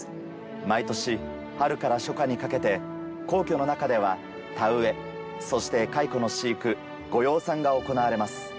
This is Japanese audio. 毎年春から初夏にかけて皇居の中では田植えそして蚕の飼育ご養蚕が行われます。